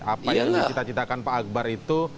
apa yang dicita citakan pak akbar itu